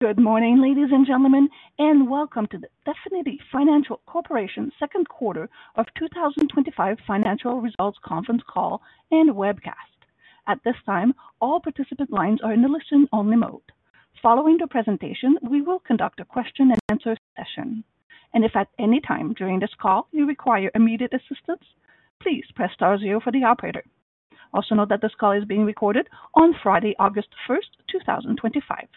Good morning, ladies and gentlemen, and welcome to the Definity Financial Corporation second quarter of 2025 financial results conference call and webcast. At this time, all participant lines are in a listen-only mode. Following the presentation, we will conduct a question-and-answer session. If at any time during this call you require immediate assistance, please press star zero for the operator. Please note that this call is being recorded on Friday, August 1, 2025.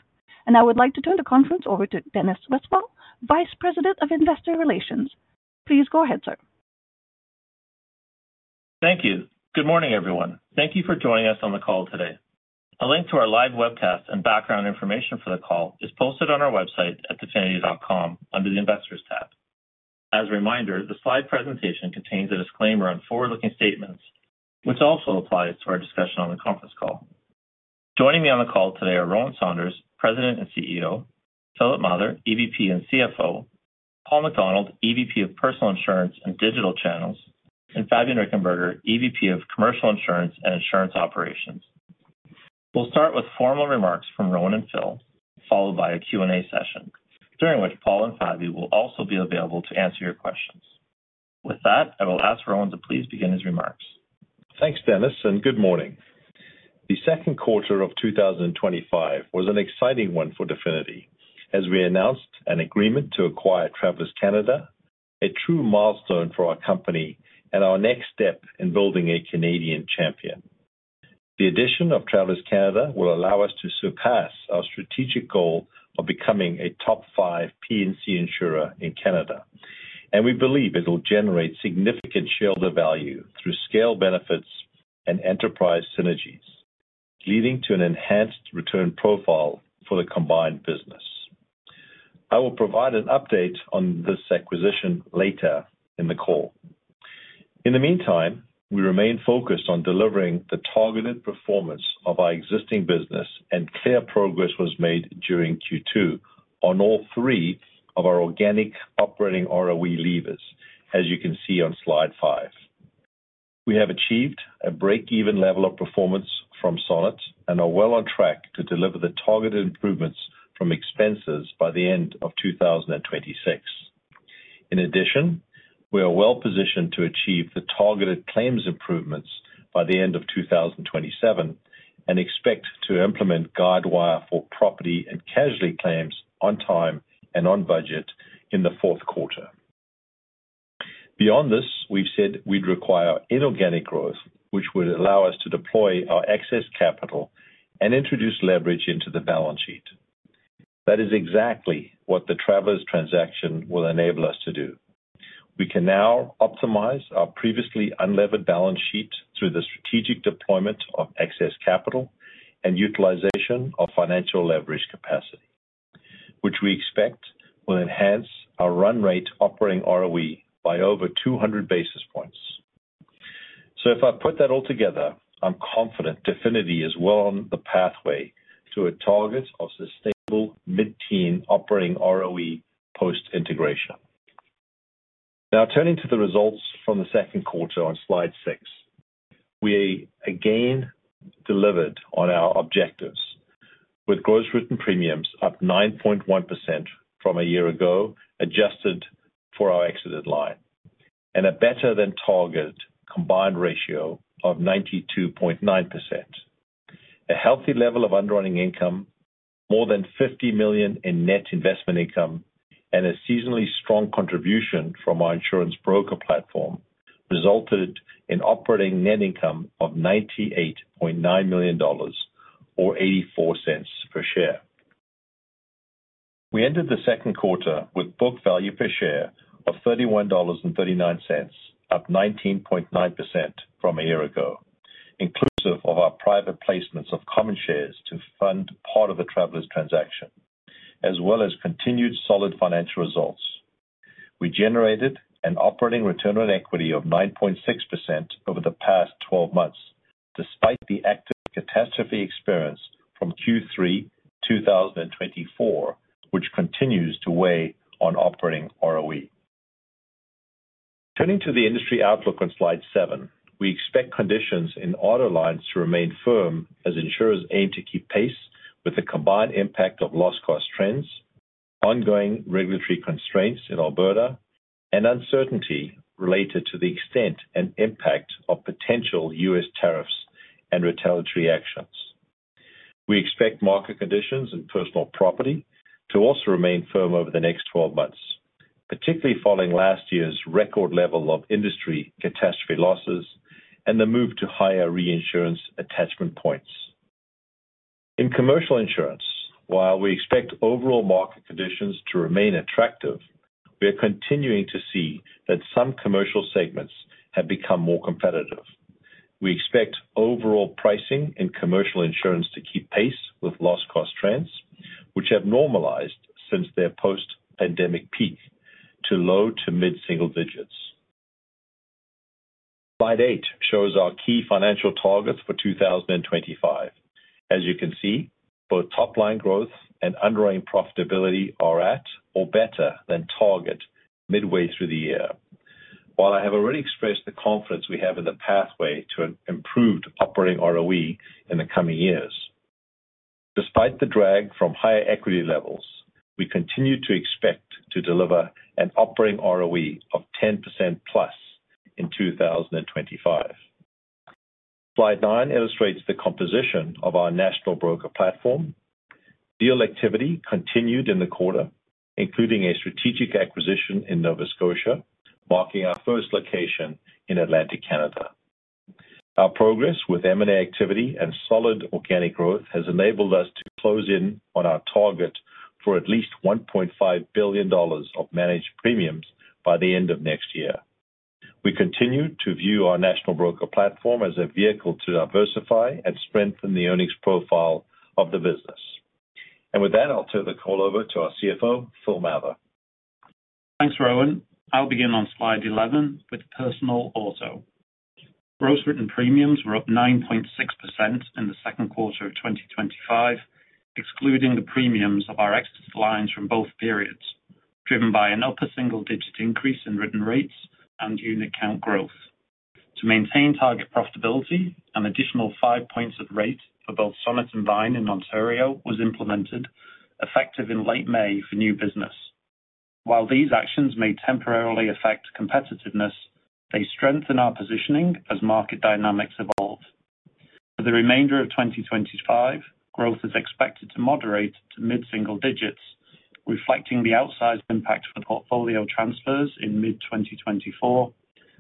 I would like to turn the conference over to Dennis Westfall, Vice President of Investor Relations. Please go ahead, sir. Thank you. Good morning, everyone. Thank you for joining us on the call today. A link to our live webcast and background information for the call is posted on our website at definity.com under the Investors tab. As a reminder, the slide presentation contains a disclaimer on forward-looking statements, which also applies to our discussion on the conference call. Joining me on the call today are Rowan Saunders, President and CEO; Philip Mather, EVP and CFO; Paul MacDonald, EVP of Personal Insurance and Digital Channels; and Fabian Richenberger, EVP of Commercial Insurance and Insurance Operations. We'll start with formal remarks from Rowan and Phil, followed by a Q&A session, during which Paul and Fabian will also be available to answer your questions. With that, I will ask Rowan to please begin his remarks. Thanks, Dennis, and good morning. The second quarter of 2025 was an exciting one for Definity, as we announced an agreement to acquire Travelers Canada, a true milestone for our company and our next step in building a Canadian champion. The addition of Travelers Canada will allow us to surpass our strategic goal of becoming a top five P&C insurer in Canada, and we believe it will generate significant shareholder value through scale benefits and enterprise synergies, leading to an enhanced return profile for the combined business. I will provide an update on this acquisition later in the call. In the meantime, we remain focused on delivering the targeted performance of our existing business, and clear progress was made during Q2 on all three of our organic operating ROE levers, as you can see on slide five. We have achieved a break-even level of performance from Sonnet and are well on track to deliver the targeted improvements from expenses by the end of 2026. In addition, we are well-positioned to achieve the targeted claims improvements by the end of 2027 and expect to implement Guidewire for property and casualty claims on time and on budget in the fourth quarter. Beyond this, we've said we'd require inorganic growth, which would allow us to deploy our excess capital and introduce leverage into the balance sheet. That is exactly what the Travelers transaction will enable us to do. We can now optimize our previously unlevered balance sheet through the strategic deployment of excess capital and utilization of financial leverage capacity, which we expect will enhance our run-rate operating ROE by over 200 basis points. If I put that all together, I'm confident Definity is well on the pathway to a target of sustainable mid-teen operating ROE post-integration. Now, turning to the results from the second quarter on slide six, we again delivered on our objectives, with gross written premiums up 9.1% from a year ago, adjusted for our exited line and a better than targeted combined ratio of 92.9%. A healthy level of underwriting income, more than $50 million in net investment income, and a seasonally strong contribution from our insurance broker platform resulted in operating net income of $98.9 million, or $0.84 per share. We ended the second quarter with book value per share of $31.39, up 19.9% from a year ago, inclusive of our private placements of common shares to fund part of the Travelers transaction, as well as continued solid financial results. We generated an operating return on equity of 9.6% over the past 12 months, despite the active catastrophe experienced from Q3 2024, which continues to weigh on operating ROE. Turning to the industry outlook on slide seven, we expect conditions in auto lines to remain firm as insurers aim to keep pace with the combined impact of loss cost trends, ongoing regulatory constraints in Alberta, and uncertainty related to the extent and impact of potential U.S. tariffs and retaliatory actions. We expect market conditions in personal property to also remain firm over the next 12 months, particularly following last year's record level of industry catastrophe losses and the move to higher reinsurance attachment points. In commercial insurance, while we expect overall market conditions to remain attractive, we are continuing to see that some commercial segments have become more competitive. We expect overall pricing in commercial insurance to keep pace with loss cost trends, which have normalized since their post-pandemic peak to low to mid-single digits. Slide eight shows our key financial targets for 2025. As you can see, both top-line growth and underwriting profitability are at, or better than, target, midway through the year. While I have already expressed the confidence we have in the pathway to an improved operating ROE in the coming years, despite the drag from higher equity levels, we continue to expect to deliver an operating ROE of 10% plus in 2025. Slide nine illustrates the composition of our national broker platform. Deal activity continued in the quarter, including a strategic acquisition in Nova Scotia, marking our first location in Atlantic Canada. Our progress with M&A activity and solid organic growth has enabled us to close in on our target for at least $1.5 billion of managed premiums by the end of next year. We continue to view our national broker platform as a vehicle to diversify and strengthen the earnings profile of the business. With that, I'll turn the call over to our CFO, Phil Mather. Thanks, Rowan. I'll begin on slide 11 with personal auto. Gross written premiums were up 9.6% in the second quarter of 2025, excluding the premiums of our excess lines from both periods, driven by an upper single-digit increase in written rates and unit count growth. To maintain target profitability, an additional five points of rate for both Sonnet and Vine in Ontario was implemented, effective in late May for new business. While these actions may temporarily affect competitiveness, they strengthen our positioning as market dynamics evolve. For the remainder of 2025, growth is expected to moderate to mid-single digits, reflecting the outsized impact for portfolio transfers in mid-2024,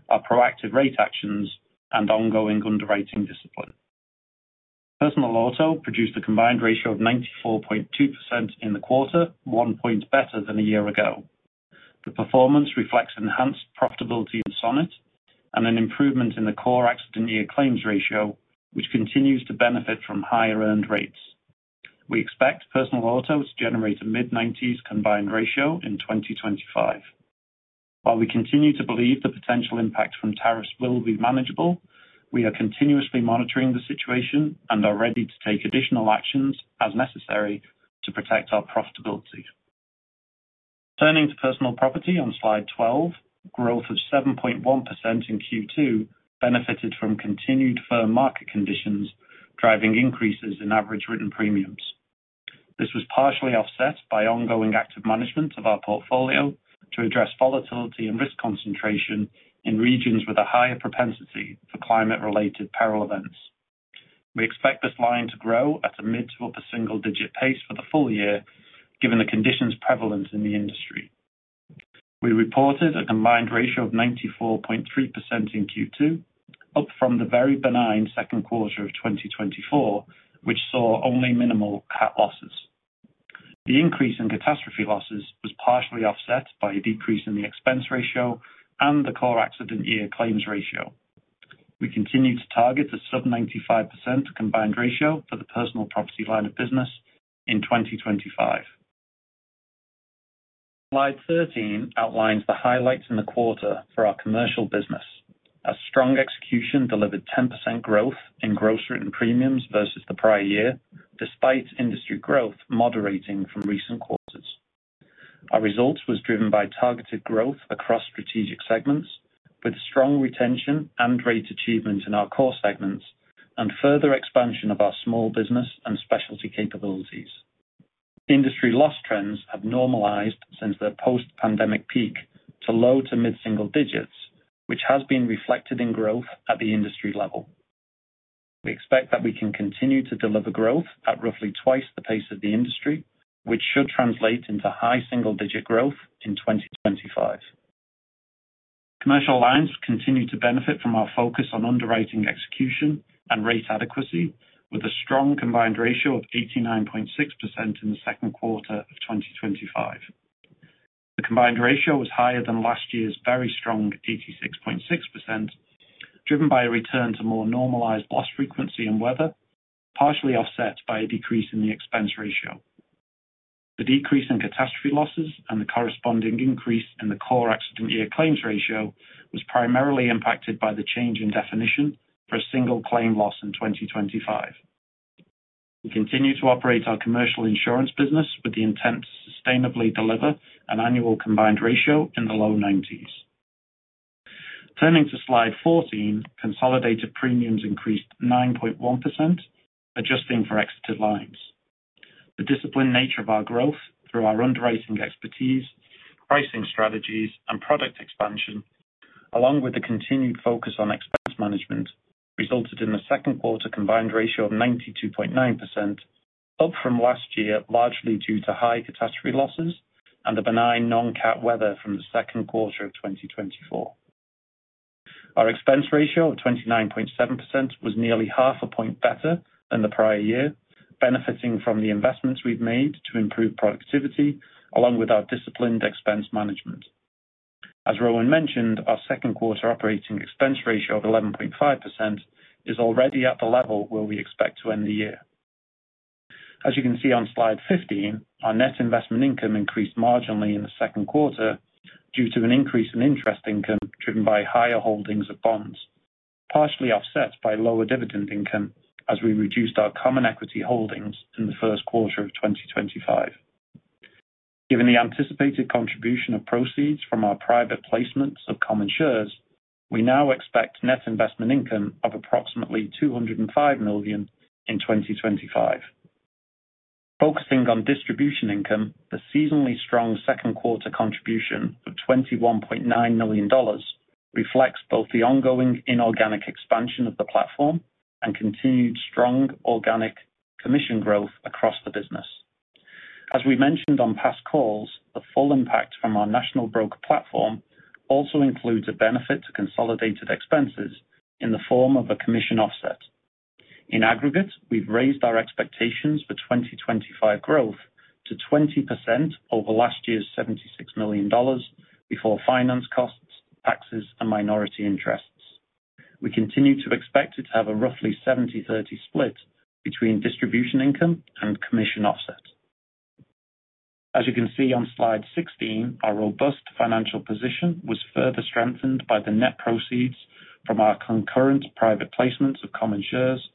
our proactive rate actions, and ongoing underwriting discipline. Personal auto produced a combined ratio of 94.2% in the quarter, one point better than a year ago. The performance reflects enhanced profitability in Sonnet and an improvement in the core accident year claims ratio, which continues to benefit from higher earned rates. We expect personal auto to generate a mid-90s combined ratio in 2025. While we continue to believe the potential impact from tariffs will be manageable, we are continuously monitoring the situation and are ready to take additional actions as necessary to protect our profitability. Turning to personal property on slide 12, growth of 7.1% in Q2 benefited from continued firm market conditions, driving increases in average written premiums. This was partially offset by ongoing active management of our portfolio to address volatility and risk concentration in regions with a higher propensity for climate-related peril events. We expect this line to grow at a mid to upper single-digit pace for the full year, given the conditions prevalent in the industry. We reported a combined ratio of 94.3% in Q2, up from the very benign second quarter of 2024, which saw only minimal losses. The increase in catastrophe losses was partially offset by a decrease in the expense ratio and the core accident year claims ratio. We continue to target a sub-95% combined ratio for the personal property line of business in 2025. Slide 13 outlines the highlights in the quarter for our commercial business. Our strong execution delivered 10% growth in gross written premiums versus the prior year, despite industry growth moderating from recent quarters. Our result was driven by targeted growth across strategic segments, with strong retention and rate achievement in our core segments and further expansion of our small business and specialty capabilities. Industry loss trends have normalized since their post-pandemic peak to low to mid-single digits, which has been reflected in growth at the industry level. We expect that we can continue to deliver growth at roughly twice the pace of the industry, which should translate into high single-digit growth in 2025. Commercial lines continue to benefit from our focus on underwriting execution and rate adequacy, with a strong combined ratio of 89.6% in the second quarter of 2025. The combined ratio was higher than last year's very strong 86.6%, driven by a return to more normalized loss frequency and weather, partially offset by a decrease in the expense ratio. The decrease in catastrophe losses and the corresponding increase in the core accident year claims ratio was primarily impacted by the change in definition for a single claim loss in 2025. We continue to operate our commercial insurance business with the intent to sustainably deliver an annual combined ratio in the low 90s. Turning to slide 14, consolidated premiums increased 9.1%, adjusting for exited lines. The disciplined nature of our growth through our underwriting expertise, pricing strategies, and product expansion, along with the continued focus on expense management, resulted in a second-quarter combined ratio of 92.9%, up from last year, largely due to high catastrophe losses and the benign non-cat weather from the second quarter of 2024. Our expense ratio of 29.7% was nearly half a point better than the prior year, benefiting from the investments we've made to improve productivity, along with our disciplined expense management. As Rowan mentioned, our second-quarter operating expense ratio of 11.5% is already at the level where we expect to end the year. As you can see on slide 15, our net investment income increased marginally in the second quarter due to an increase in interest income driven by higher holdings of bonds, partially offset by lower dividend income as we reduced our common equity holdings in the first quarter of 2025. Given the anticipated contribution of proceeds from our private placements of common shares, we now expect net investment income of approximately $205 million in 2025. Focusing on distribution income, the seasonally strong second quarter contribution of $21.9 million reflects both the ongoing inorganic expansion of the platform and continued strong organic commission growth across the business. As we mentioned on past calls, the full impact from our national broker platform also includes a benefit to consolidated expenses in the form of a commission offset. In aggregate, we've raised our expectations for 2025 growth to 20% over last year's $76 million before finance costs, taxes, and minority interests. We continue to expect it to have a roughly 70/30 split between distribution income and commission offset. As you can see on slide 16, our robust financial position was further strengthened by the net proceeds from our concurrent private placements of common shares,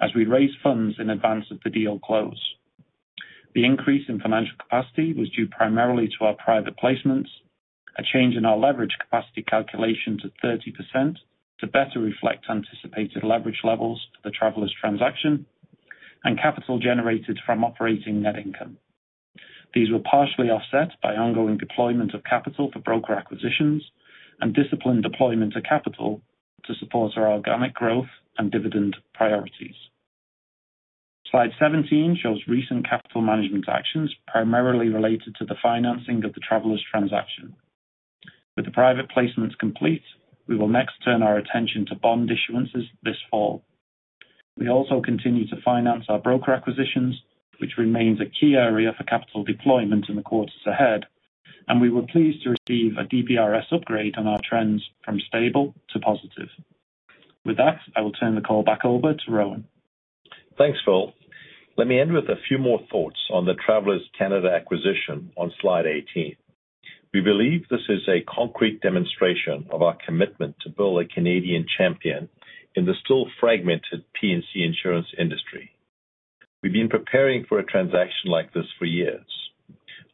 as we raised funds in advance of the deal close. The increase in financial capacity was due primarily to our private placements, a change in our leverage capacity calculation to 30% to better reflect anticipated leverage levels for the Travelers transaction, and capital generated from operating net income. These were partially offset by ongoing deployment of capital for broker acquisitions and disciplined deployment of capital to support our organic growth and dividend priorities. Slide 17 shows recent capital management actions primarily related to the financing of the Travelers transaction. With the private placements complete, we will next turn our attention to bond issuances this fall. We also continue to finance our broker acquisitions, which remains a key area for capital deployment in the quarters ahead, and we were pleased to receive a DBRS upgrade on our trends from stable to positive. With that, I will turn the call back over to Rowan. Thanks, Phil. Let me end with a few more thoughts on the Travelers Canada acquisition on slide 18. We believe this is a concrete demonstration of our commitment to build a Canadian champion in the still-fragmented P&C insurance industry. We've been preparing for a transaction like this for years.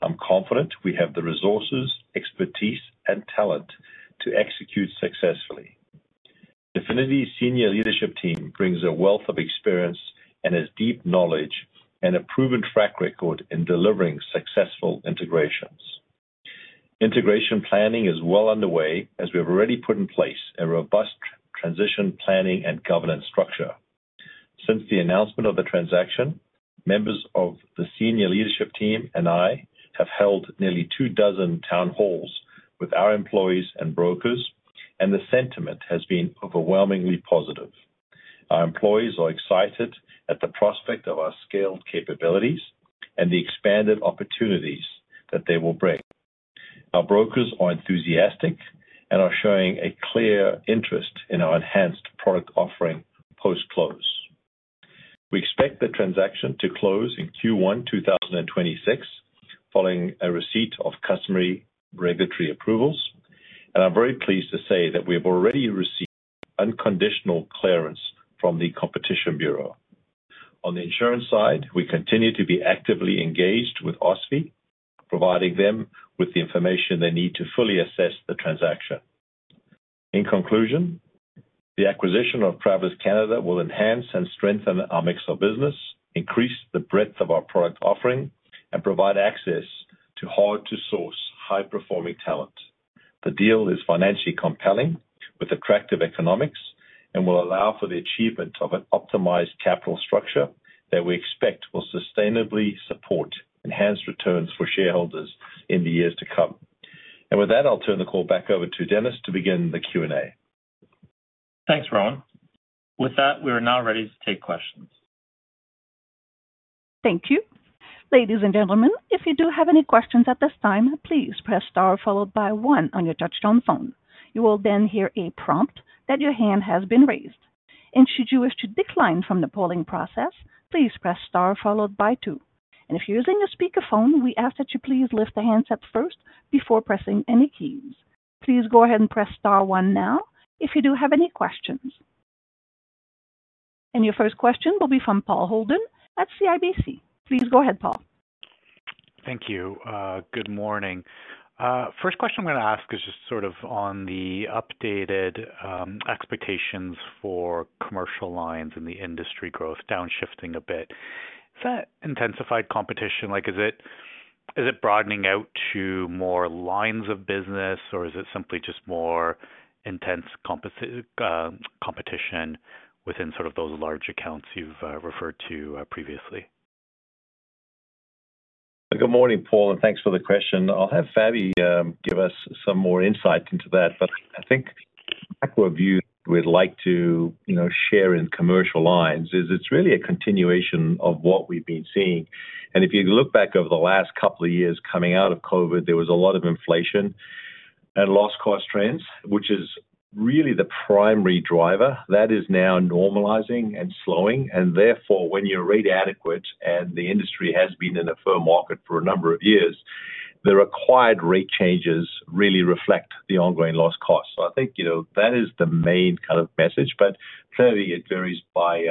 I'm confident we have the resources, expertise, and talent to execute successfully. Definity's Senior Leadership Team brings a wealth of experience and has deep knowledge and a proven track record in delivering successful integrations. Integration planning is well underway, as we have already put in place a robust transition planning and governance structure. Since the announcement of the transaction, members of the Senior Leadership Team and I have held nearly two dozen town halls with our employees and brokers, and the sentiment has been overwhelmingly positive. Our employees are excited at the prospect of our scaled capabilities and the expanded opportunities that they will bring. Our brokers are enthusiastic and are showing a clear interest in our enhanced product offering post-close. We expect the transaction to close in Q1 2026, following receipt of customary regulatory approvals, and I'm very pleased to say that we have already received unconditional clearance from the Competition Bureau. On the insurance side, we continue to be actively engaged with OSFI, providing them with the information they need to fully assess the transaction. In conclusion, the acquisition of Travelers Canada will enhance and strengthen our mix of business, increase the breadth of our product offering, and provide access to hard-to-source, high-performing talent. The deal is financially compelling, with attractive economics, and will allow for the achievement of an optimized capital structure that we expect will sustainably support enhanced returns for shareholders in the years to come. With that, I'll turn the call back over to Dennis to begin the Q&A. Thanks, Rowan. With that, we are now ready to take questions. Thank you. Ladies and gentlemen, if you do have any questions at this time, please press star followed by one on your touch-tone phone. You will then hear a prompt that your hand has been raised. Should you wish to decline from the polling process, please press star followed by two. If you're using your speakerphone, we ask that you please lift the handset up first before pressing any keys. Please go ahead and press star one now if you do have any questions. Your first question will be from Paul Holden at CIBC. Please go ahead, Paul. Thank you. Good morning. First question I'm going to ask is just on the updated expectations for commercial lines, and the industry growth downshifting a bit. Is that intensified competition? Is it broadening out to more lines of business, or is it simply just more intense competition within those large accounts you've referred to previously? Good morning, Paul, and thanks for the question. I'll have Fabian give us some more insight into that. I think the macro view we'd like to share in commercial lines is it's really a continuation of what we've been seeing. If you look back over the last couple of years coming out of COVID, there was a lot of inflation and loss cost trends, which is really the primary driver. That is now normalizing and slowing. Therefore, when you're rate adequate and the industry has been in a firm market for a number of years, the required rate changes really reflect the ongoing loss costs. I think that is the main kind of message. Clearly, it varies by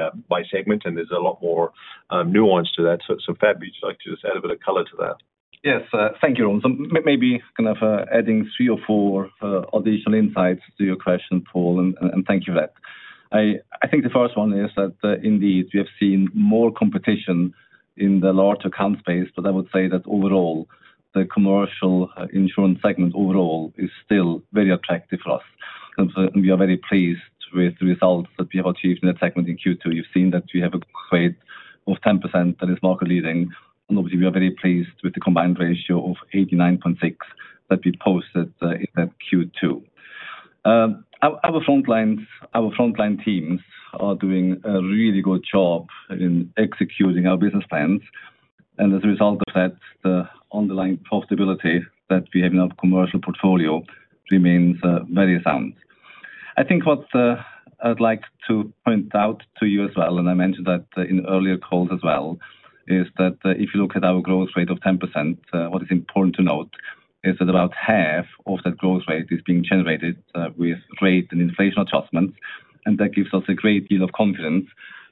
segment, and there's a lot more nuance to that. Fabian, would you like to just add a bit of color to that? Yes, thank you, Rowan. Maybe I can offer adding three or four additional insights to your question, Paul, and thank you for that. I think the first one is that indeed we have seen more competition in the larger account space, but I would say that overall, the commercial insurance segment overall is still very attractive for us. We are very pleased with the results that we have achieved in that segment in Q2. You've seen that we have a growth rate of 10% that is market leading. We are very pleased with the combined ratio of 89.6% that we posted in that Q2. Our frontline teams are doing a really good job in executing our business plans. As a result of that, the underlying profitability that we have in our commercial portfolio remains very sound. I think what I'd like to point out to you as well, and I mentioned that in earlier calls as well, is that if you look at our growth rate of 10%, what is important to note is that about half of that growth rate is being generated with rate and inflation adjustments. That gives us a great deal of confidence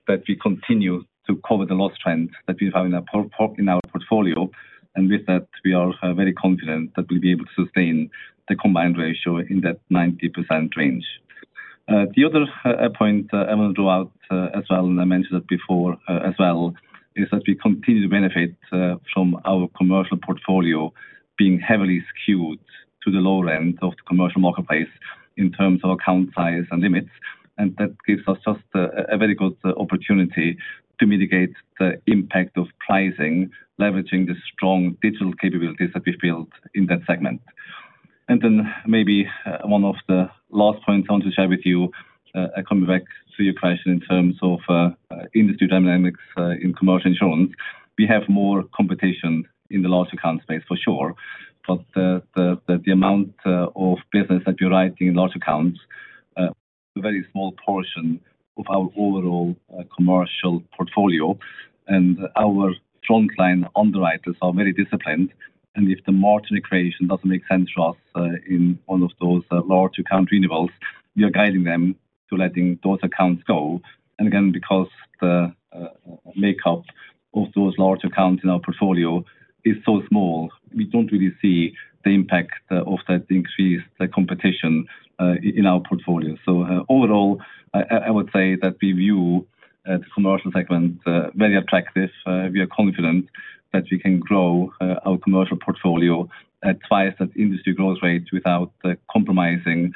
that we continue to cover the loss trends that we have in our portfolio. With that, we are very confident that we'll be able to sustain the combined ratio in that 90% range. The other point I want to draw out as well, and I mentioned that before as well, is that we continue to benefit from our commercial portfolio being heavily skewed to the lower end of the commercial marketplace in terms of account size and limits. That gives us just a very good opportunity to mitigate the impact of pricing, leveraging the strong digital capabilities that we've built in that segment. Maybe one of the last points I want to share with you, coming back to your question in terms of industry dynamics in commercial insurance, we have more competition in the large account space for sure. The amount of business that we're writing in large accounts is a very small portion of our overall commercial portfolio. Our frontline underwriters are very disciplined. If the margin equation doesn't make sense for us in one of those large account renewals, we are guiding them to letting those accounts go. Because the makeup of those large accounts in our portfolio is so small, we don't really see the impact of that increased competition in our portfolio. Overall, I would say that we view the commercial segment very attractive. We are confident that we can grow our commercial portfolio at twice that industry growth rate without compromising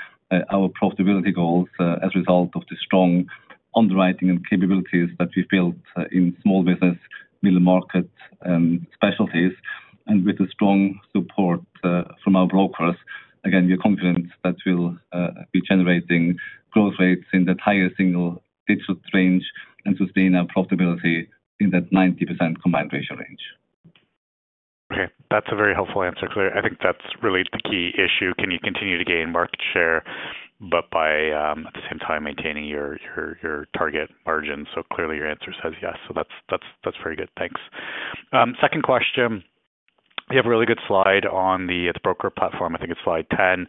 our profitability goals as a result of the strong underwriting and capabilities that we've built in small business, middle market, and specialties. With the strong support from our brokers, we are confident that we'll be generating growth rates in that higher single-digit range and sustain our profitability in that 90% combined ratio range. Okay, that's a very helpful answer. Clearly, I think that's really the key issue. Can you continue to gain market share, but at the same time maintaining your target margins? Clearly, your answer says yes. That's very good. Thanks. Second question, you have a really good slide on the broker platform. I think it's slide 10,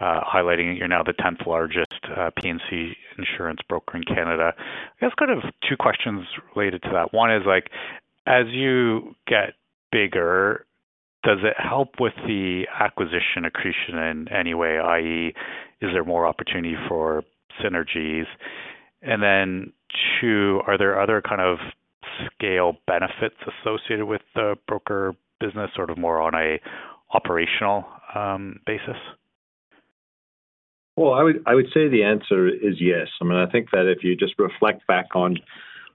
highlighting that you're now the 10th largest P&C insurance broker in Canada. I guess, kind of two questions related to that. One is, as you get bigger, does it help with the acquisition accretion in any way? I.e., is there more opportunity for synergies? Then, are there other kind of scale benefits associated with the broker business, more on an operational basis? I would say the answer is yes. I think that if you just reflect back on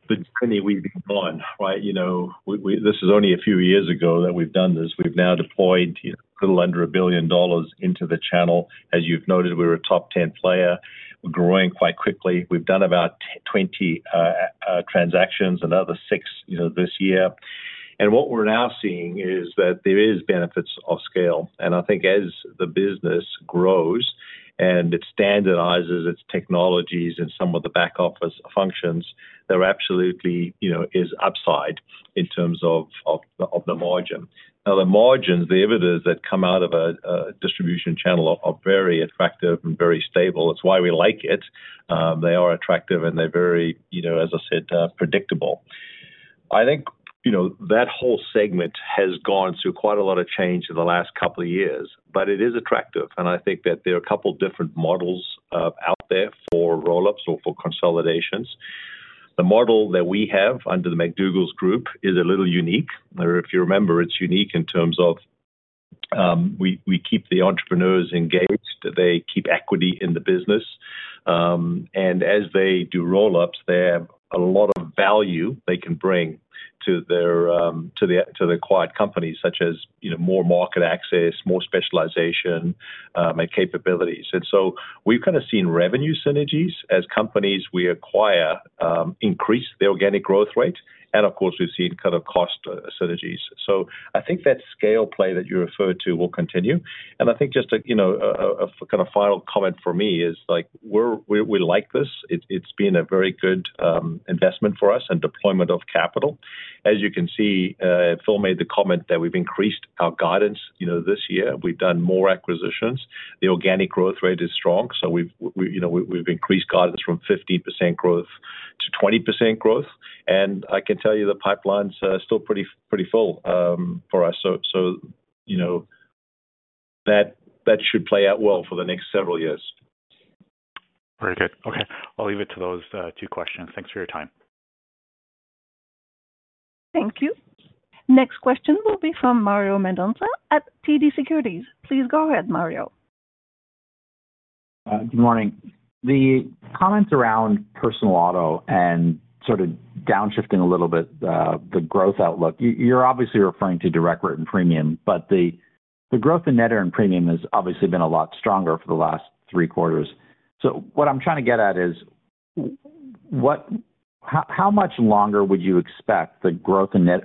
the journey we've been on, right? You know, this is only a few years ago that we've done this. We've now deployed a little under $1 billion into the channel. As you've noted, we were a top 10 player. We're growing quite quickly. We've done about 20 transactions, another six this year. What we're now seeing is that there are benefits of scale. I think as the business grows and it standardizes its technologies and some of the back office functions, there absolutely is upside in terms of the margin. The margins, the dividends that come out of a distribution channel, are very attractive and very stable. It's why we like it. They are attractive and they're very, as I said, predictable. I think that whole segment has gone through quite a lot of change in the last couple of years, but it is attractive. I think that there are a couple of different models out there for roll-ups or for consolidations. The model that we have under the McDougall Group is a little unique. If you remember, it's unique in terms of we keep the entrepreneurs engaged. They keep equity in the business. As they do roll-ups, there is a lot of value they can bring to their acquired companies, such as more market access, more specialization, and capabilities. We've kind of seen revenue synergies as companies we acquire increase the organic growth rate. Of course, we've seen kind of cost synergies. I think that scale play that you referred to will continue. A final comment for me is we like this. It's been a very good investment for us and deployment of capital. As you can see, Phil made the comment that we've increased our guidance this year. We've done more acquisitions. The organic growth rate is strong. We've increased guidance from 15% growth to 20% growth. I can tell you the pipeline's still pretty full for us. That should play out well for the next several years. Very good. Okay, I'll leave it to those two questions. Thanks for your time. Thank you. Next question will be from Mario Mendonca at TD Securities. Please go ahead, Mario. Good morning. The comments around personal auto and sort of downshifting a little bit the growth outlook, you're obviously referring to direct written premium, but the growth in net earned premium has obviously been a lot stronger for the last three quarters. What I'm trying to get at is how much longer would you expect the growth in net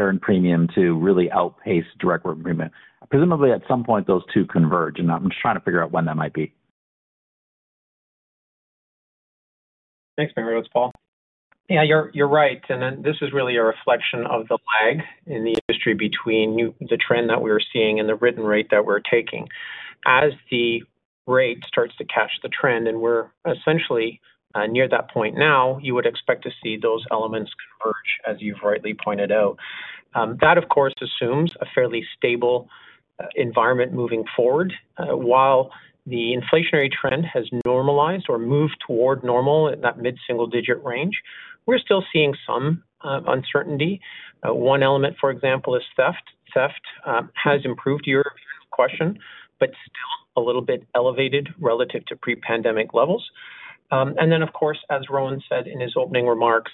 earned premium to really outpace direct written premium? Presumably, at some point, those two converge. I'm just trying to figure out when that might be. Thanks, Mario. It's Paul. Yeah, you're right. This is really a reflection of the lag in the industry between the trend that we're seeing and the written rate that we're taking. As the rate starts to catch the trend, and we're essentially near that point now, you would expect to see those elements converge, as you've rightly pointed out. That, of course, assumes a fairly stable environment moving forward. While the inflationary trend has normalized or moved toward normal in that mid-single-digit range, we're still seeing some uncertainty. One element, for example, is theft. Theft has improved to your question, but still a little bit elevated relative to pre-pandemic levels. As Rowan said in his opening remarks,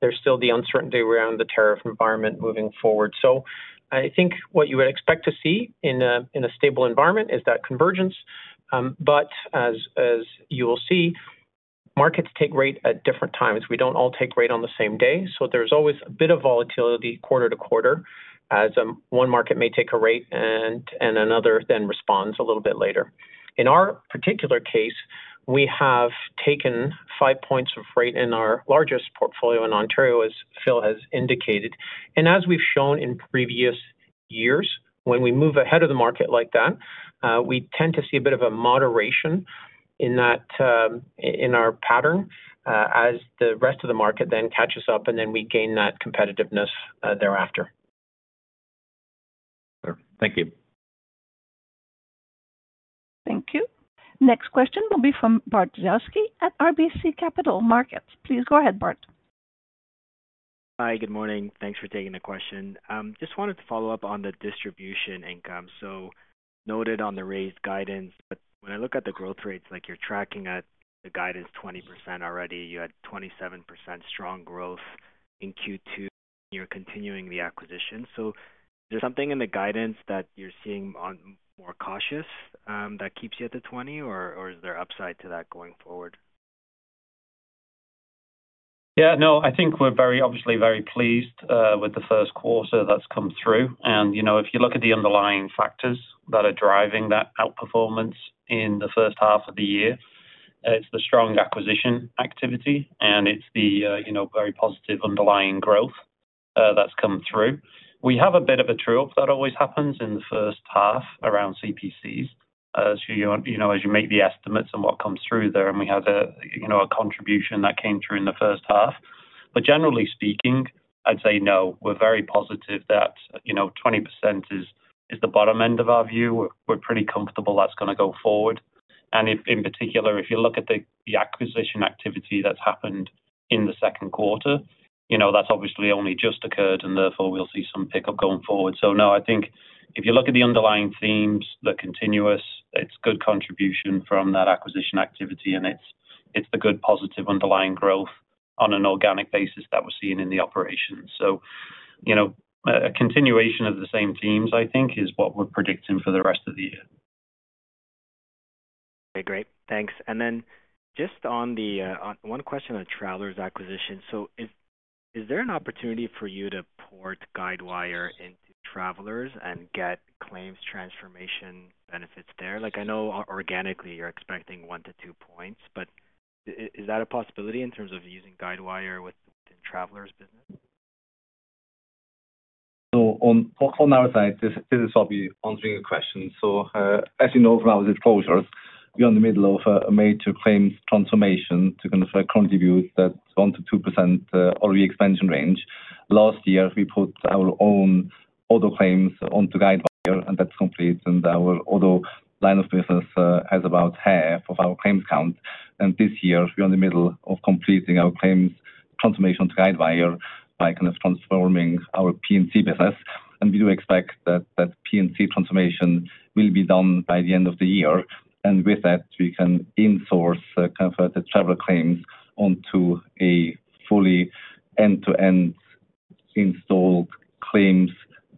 there's still the uncertainty around the tariff environment moving forward. I think what you would expect to see in a stable environment is that convergence. As you will see, markets take rate at different times. We don't all take rate on the same day. There's always a bit of volatility quarter to quarter, as one market may take a rate and another then responds a little bit later. In our particular case, we have taken 5 points of rate in our largest portfolio in Ontario, as Phil has indicated. As we've shown in previous years, when we move ahead of the market like that, we tend to see a bit of a moderation in our pattern as the rest of the market then catches up, and then we gain that competitiveness thereafter. Thank you. Thank you. Next question will be from Bart Jaworski at RBC Capital Markets. Please go ahead, Bart. Hi, good morning. Thanks for taking the question. Just wanted to follow up on the distribution income. Noted on the raised guidance, but when I look at the growth rates, like you're tracking at the guidance 20% already, you had 27% strong growth in Q2, and you're continuing the acquisition. Is there something in the guidance that you're seeing more cautious that keeps you at the 20%, or is there upside to that going forward? Yeah, no, I think we're very, obviously, very pleased with the first quarter that's come through. If you look at the underlying factors that are driving that outperformance in the first half of the year, it's the strong acquisition activity, and it's the very positive underlying growth that's come through. We have a bit of a true-up that always happens in the first half around CPCs. As you make the estimates and what comes through there, we have a contribution that came through in the first half. Generally speaking, I'd say no, we're very positive that 20% is the bottom end of our view. We're pretty comfortable that's going to go forward. In particular, if you look at the acquisition activity that's happened in the second quarter, you know that's obviously only just occurred, and therefore, we'll see some pickup going forward. I think if you look at the underlying themes, they're continuous. It's good contribution from that acquisition activity, and it's the good positive underlying growth on an organic basis that we're seeing in the operations. A continuation of the same themes, I think, is what we're predicting for the rest of the year. Okay, great. Thanks. Just on the one question on the Travelers acquisition, is there an opportunity for you to port Guidewire into Travelers and get claims transformation benefits there? I know organically you're expecting one to two points, but is that a possibility in terms of using Guidewire within the Travelers business? On our side, this is probably answering your question. As you know from our disclosures, we are in the middle of a major claims transformation to contribute that 1% to 2% ROE expansion range. Last year, we put our own auto claims onto Guidewire, and that's complete. Our auto line of business has about half of our claims count. This year, we are in the middle of completing our claims transformation to Guidewire by transforming our P&C business. We do expect that P&C transformation will be done by the end of the year. With that, we can insource the Travelers claims onto a fully end-to-end installed claims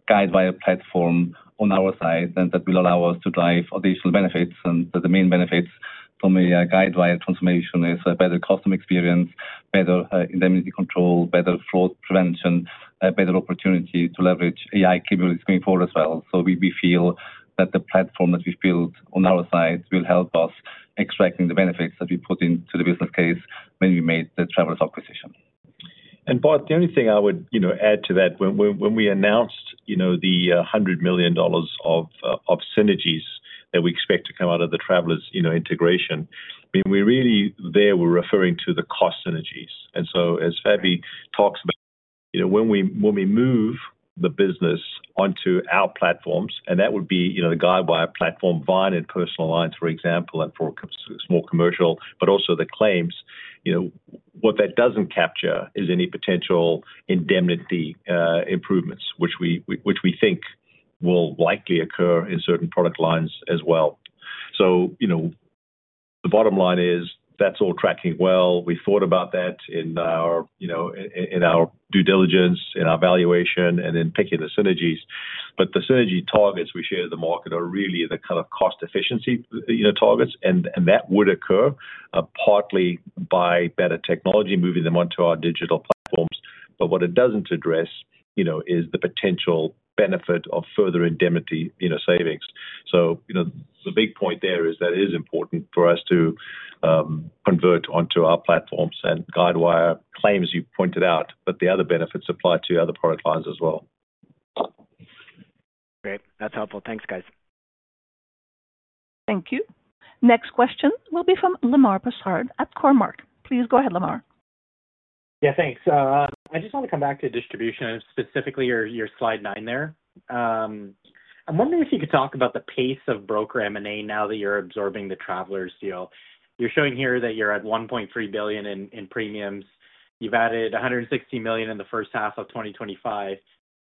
Guidewire platform on our side. That will allow us to drive additional benefits. The main benefits from a Guidewire transformation are a better customer experience, better indemnity control, better fraud prevention, and a better opportunity to leverage AI capabilities going forward as well. We feel that the platform that we've built on our side will help us extract the benefits that we put into the business case when we made the Travelers acquisition. Bart, the only thing I would add to that, when we announced the $100 million of synergies that we expect to come out of the Travelers integration, we really there were referring to the cost synergies. As Fabian talks about, when we move the business onto our platforms, and that would be the Guidewire platform, Vine, and personal lines, for example, and for small commercial, but also the claims, what that doesn't capture is any potential indemnity improvements, which we think will likely occur in certain product lines as well. The bottom line is that's all tracking well. We thought about that in our due diligence, in our valuation, and in picking the synergies. The synergy targets we share with the market are really the kind of cost efficiency targets. That would occur partly by better technology, moving them onto our digital platforms. What it doesn't address is the potential benefit of further indemnity savings. The big point there is that it is important for us to convert onto our platforms. Guidewire claims you pointed out, but the other benefits apply to other product lines as well. Great. That's helpful. Thanks, guys. Thank you. Next question will be from Lamar Persad at Cormark. Please go ahead, Lamar. Yeah, thanks. I just want to come back to distribution, specifically your slide nine there. I'm wondering if you could talk about the pace of broker M&A now that you're absorbing the Travelers deal. You're showing here that you're at $1.3 billion in premiums. You've added $160 million in the first half of 2025.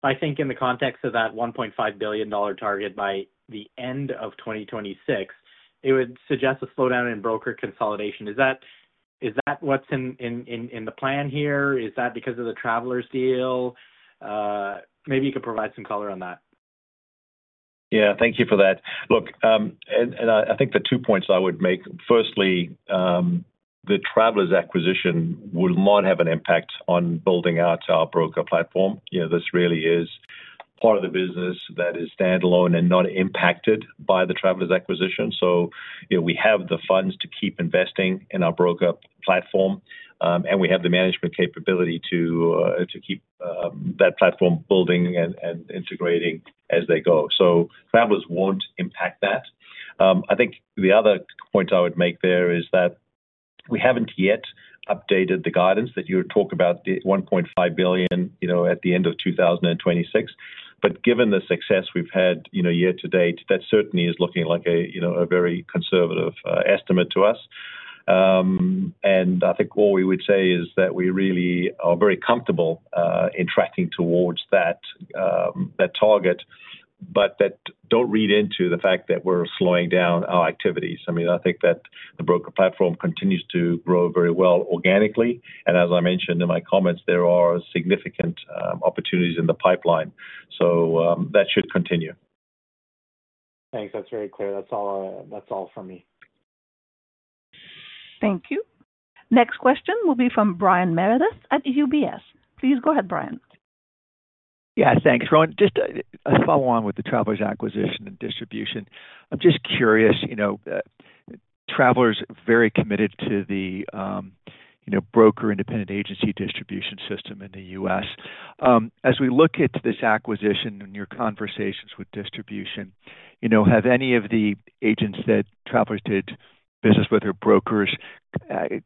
I think in the context of that $1.5 billion target by the end of 2026, it would suggest a slowdown in broker consolidation. Is that what's in the plan here? Is that because of the Travelers deal? Maybe you could provide some color on that. Thank you for that. I think the two points I would make, firstly, the Travelers acquisition will not have an impact on building out our broker platform. This really is part of the business that is standalone and not impacted by the Travelers acquisition. We have the funds to keep investing in our broker platform, and we have the management capability to keep that platform building and integrating as they go. Travelers won't impact that. The other point I would make there is that we haven't yet updated the guidance that you talk about, the $1.5 billion at the end of 2026. Given the success we've had year to date, that certainly is looking like a very conservative estimate to us. All we would say is that we really are very comfortable in tracking towards that target, but don't read into the fact that we're slowing down our activities. I think that the broker platform continues to grow very well organically. As I mentioned in my comments, there are significant opportunities in the pipeline. That should continue. Thanks. That's very clear. That's all from me. Thank you. Next question will be from Brian Meredith at UBS. Please go ahead, Brian. Yeah, thanks, Rowan. Just a follow-on with the Travelers acquisition and distribution. I'm just curious, you know, Travelers is very committed to the broker independent agency distribution system in the U.S. As we look at this acquisition and your conversations with distribution, have any of the agents that Travelers did business with or brokers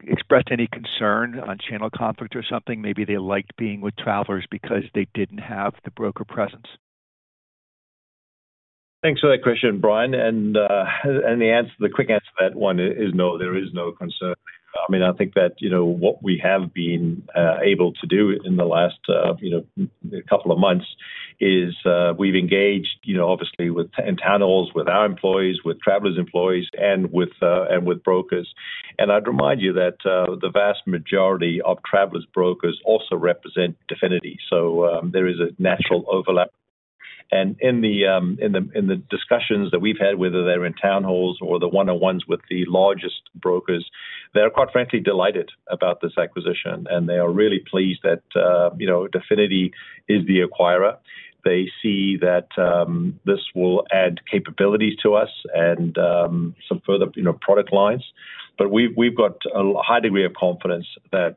expressed any concern on channel conflict or something? Maybe they liked being with Travelers because they didn't have the broker presence. Thanks for that question, Brian. The quick answer to that one is no, there is no concern. I think that what we have been able to do in the last couple of months is we've engaged, obviously, in town halls with our employees, with Travelers employees, and with brokers. I'd remind you that the vast majority of Travelers brokers also represent Definity. There is a natural overlap. In the discussions that we've had, whether they're in town halls or the one-on-ones with the largest brokers, they're quite frankly delighted about this acquisition. They are really pleased that Definity is the acquirer. They see that this will add capabilities to us and some further product lines. We've got a high degree of confidence that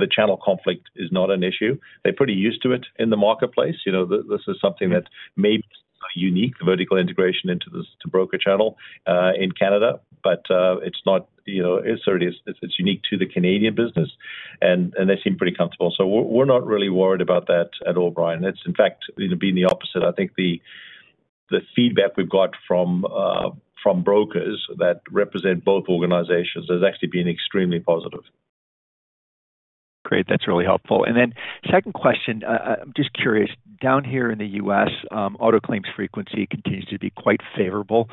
the channel conflict is not an issue. They're pretty used to it in the marketplace. This is something that may be a unique vertical integration into the broker channel in Canada. It's unique to the Canadian business, and they seem pretty comfortable. We're not really worried about that at all, Brian. It's in fact been the opposite. I think the feedback we've got from brokers that represent both organizations has actually been extremely positive. Great. That's really helpful. Second question, I'm just curious, down here in the U.S., auto claims frequency continues to be quite favorable.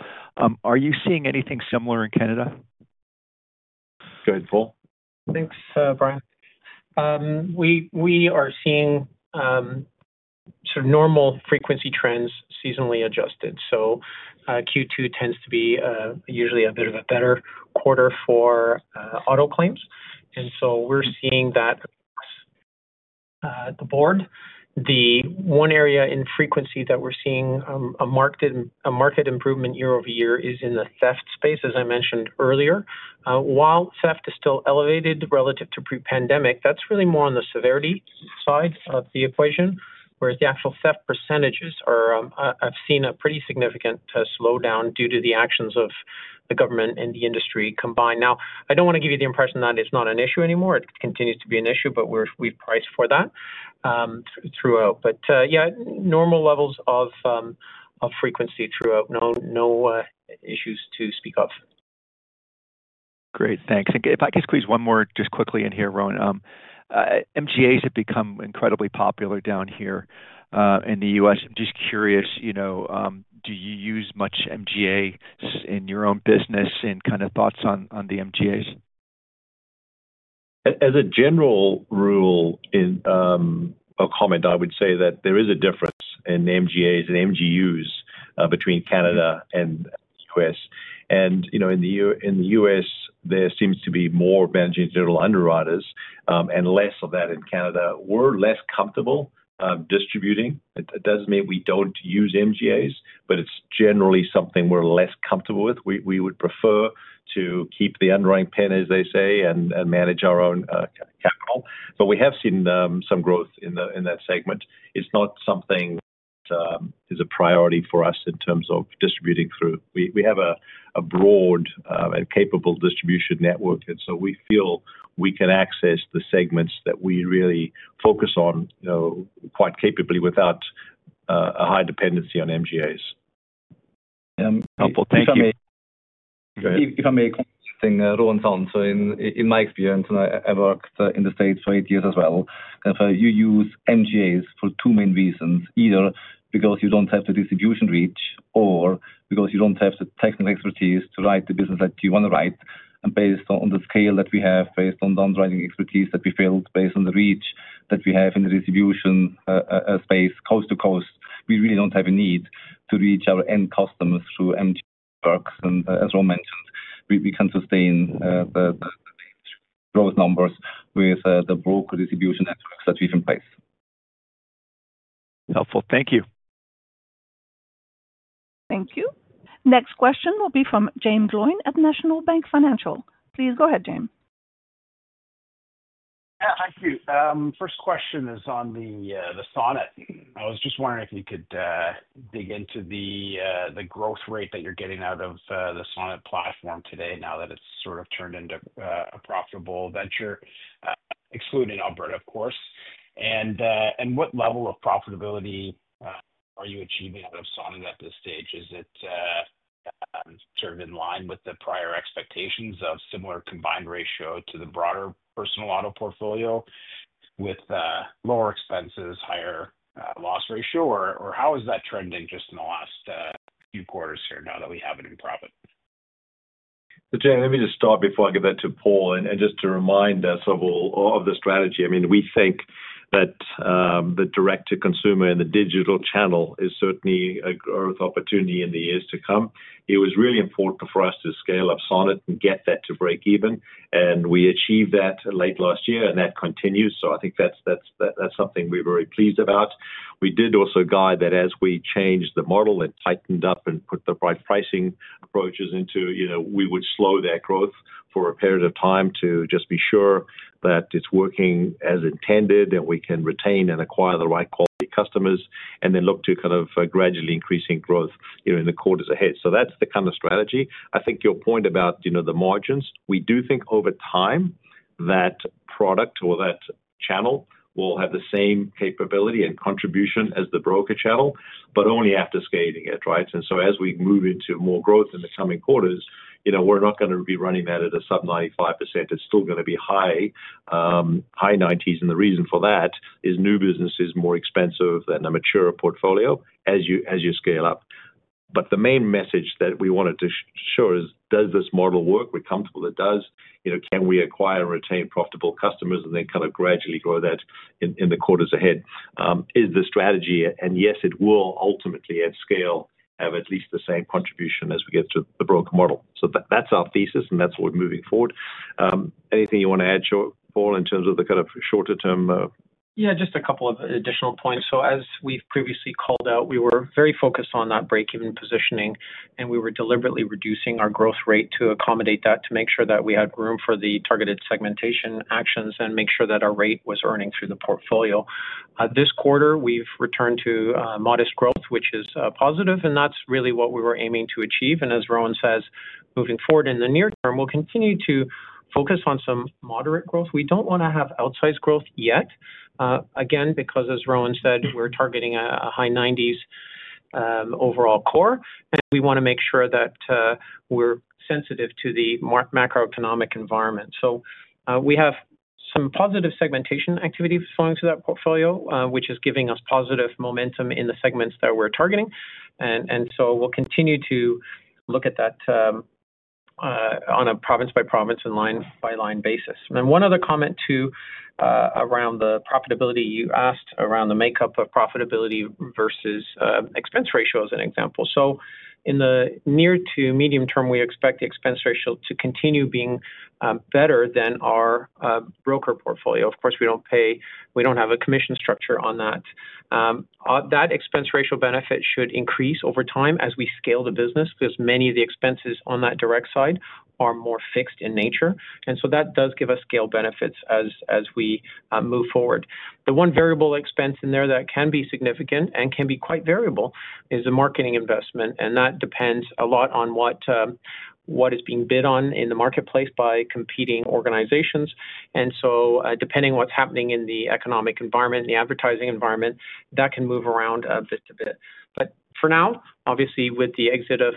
Are you seeing anything similar in Canada? Go ahead, Paul. Thanks, Brian. We are seeing sort of normal frequency trends, seasonally adjusted. Q2 tends to be usually a bit of a better quarter for auto claims, and we're seeing that across the board. The one area in frequency that we're seeing a marked improvement year over year is in the theft space, as I mentioned earlier. While theft is still elevated relative to pre-pandemic, that's really more on the severity side of the equation, whereas the actual theft percentages have seen a pretty significant slowdown due to the actions of the government and the industry combined. I don't want to give you the impression that it's not an issue anymore. It continues to be an issue, but we've priced for that throughout. Normal levels of frequency throughout. No issues to speak of. Great, thanks. If I could squeeze one more just quickly in here, Rowan, MGAs have become incredibly popular down here in the U.S. I'm just curious, do you use much MGA in your own business, and kind of thoughts on the MGAs? As a general rule in a comment, I would say that there is a difference in MGAs and MGUs between Canada and the U.S. In the U.S., there seems to be more managing general underwriters and less of that in Canada. We're less comfortable distributing. It doesn't mean we don't use MGAs, but it's generally something we're less comfortable with. We would prefer to keep the underwriting pen, as they say, and manage our own capital. We have seen some growth in that segment. It's not something that is a priority for us in terms of distributing through. We have a broad and capable distribution network, and we feel we can access the segments that we really focus on quite capably without a high dependency on MGAs. Helpful. Thanks. If I may comment, Rowan's on. In my experience, and I worked in the U.S. for eight years as well, you use MGAs for two main reasons, either because you don't have the distribution reach, or because you don't have the technical expertise to write the business that you want to write. Based on the scale that we have, based on the underwriting expertise that we've built, and based on the reach that we have in the distribution space coast to coast, we really don't have a need to reach our end customers through MGA networks. As Rowan mentioned, we can sustain the growth numbers with the broker distribution networks that we have in place. Helpful. Thank you. Thank you. Next question will be from Jim Lyons at National Bank Financial. Please go ahead, Jim. Yeah, thank you. First question is on the Sonnet. I was just wondering if you could dig into the growth rate that you're getting out of the Sonnet platform today, now that it's sort of turned into a profitable venture, excluding Alberta, of course. What level of profitability are you achieving out of Sonnet at this stage? Is it sort of in line with the prior expectations of similar combined ratio to the broader personal auto portfolio with lower expenses, higher loss ratio? How is that trending just in the last few quarters here now that we have it in profit? Jim, let me just start before I give that to Paul. Just to remind us of all of the strategy, we think that the direct-to-consumer and the digital channel is certainly a growth opportunity in the years to come. It was really important for us to scale up Sonnet and get that to break even. We achieved that late last year, and that continues. I think that's something we're very pleased about. We did also guide that as we changed the model and tightened up and put the right pricing approaches in, we would slow that growth for a period of time to just be sure that it's working as intended, and we can retain and acquire the right quality customers, and then look to gradually increasing growth in the quarters ahead. That's the kind of strategy. I think your point about the margins, we do think over time that product or that channel will have the same capability and contribution as the broker channel, but only after scaling it, right? As we move into more growth in the coming quarters, we're not going to be running that at a sub-95%. It's still going to be high, high 90s. The reason for that is new business is more expensive than a mature portfolio as you scale up. The main message that we wanted to show is, does this model work? We're comfortable it does. Can we acquire and retain profitable customers and then kind of gradually grow that in the quarters ahead? That is the strategy, and yes, it will ultimately at scale have at least the same contribution as we get to the broker model. That's our thesis, and that's what we're moving forward. Anything you want to add, Paul, in terms of the kind of shorter term? Yeah, just a couple of additional points. As we've previously called out, we were very focused on that break-even positioning, and we were deliberately reducing our growth rate to accommodate that to make sure that we had room for the targeted segmentation actions and make sure that our rate was earning through the portfolio. This quarter, we've returned to modest growth, which is positive, and that's really what we were aiming to achieve. As Rowan says, moving forward in the near term, we'll continue to focus on some moderate growth. We don't want to have outsized growth yet, because as Rowan said, we're targeting a high 90s overall core, and we want to make sure that we're sensitive to the macroeconomic environment. We have some positive segmentation activity flowing through that portfolio, which is giving us positive momentum in the segments that we're targeting. We'll continue to look at that on a province-by-province and line-by-line basis. One other comment too, around the profitability, you asked around the makeup of profitability versus expense ratio as an example. In the near to medium term, we expect the expense ratio to continue being better than our broker portfolio. Of course, we don't pay. We don't have a commission structure on that. That expense ratio benefit should increase over time as we scale the business because many of the expenses on that direct side are more fixed in nature. That does give us scale benefits as we move forward. The one variable expense in there that can be significant and can be quite variable is the marketing investment. That depends a lot on what is being bid on in the marketplace by competing organizations. Depending on what's happening in the economic environment and the advertising environment, that can move around a bit to bit. For now, obviously, with the exit of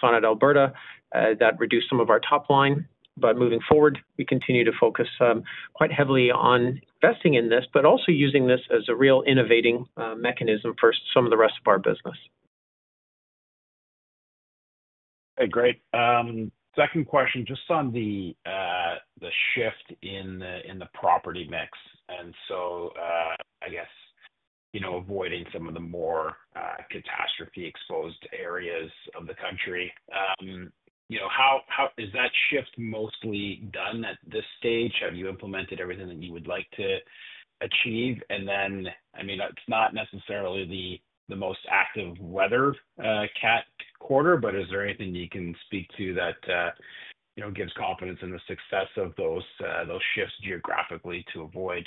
Sonnet Alberta, that reduced some of our top line. Moving forward, we continue to focus quite heavily on investing in this, but also using this as a real innovating mechanism for some of the rest of our business. Great. Second question, just on the shift in the property mix. I guess, you know, avoiding some of the more catastrophe-exposed areas of the country. How is that shift mostly done at this stage? Have you implemented everything that you would like to achieve? I mean, it's not necessarily the most active weather cat quarter, but is there anything you can speak to that gives confidence in the success of those shifts geographically to avoid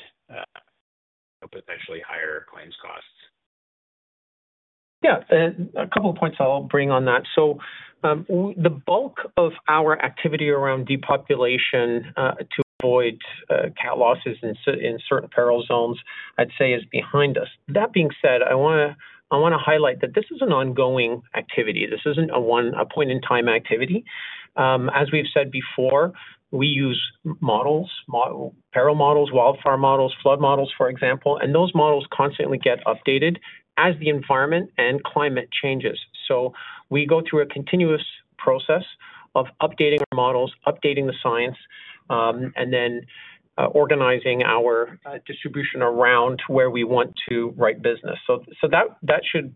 potentially higher claims costs? Yeah, a couple of points I'll bring on that. The bulk of our activity around depopulation to avoid cat losses in certain peril zones, I'd say, is behind us. That being said, I want to highlight that this is an ongoing activity. This isn't a one-point-in-time activity. As we've said before, we use models, peril models, wildfire models, flood models, for example. Those models constantly get updated as the environment and climate changes. We go through a continuous process of updating our models, updating the science, and then organizing our distribution around where we want to write business. That should